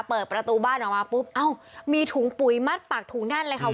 เปิดประตูบ้านออกมาปุ๊บเอ้ามีถุงปุ๋ยมัดปากถุงแน่นเลยค่ะ